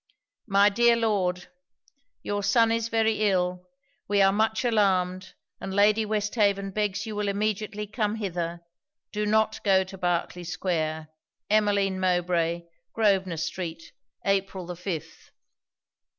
'My dear Lord, 'Your son is very ill. We are much alarmed; and Lady Westhaven begs you will immediately come hither. Do not go to Berkley square. EMMELINE MOWBRAY.' _Grosvenor street, April 5th.